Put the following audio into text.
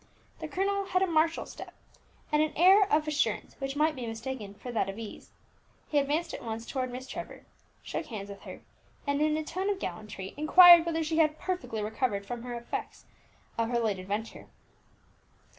The colonel had a martial step, and an air of assurance which might be mistaken for that of ease. He advanced at once towards Miss Trevor, shook hands with her, and in a tone of gallantry inquired whether she had perfectly recovered from the effects of her late adventure.